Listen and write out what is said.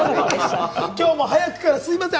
今日も早くから、すみません。